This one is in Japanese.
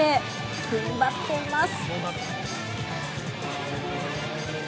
踏ん張っています。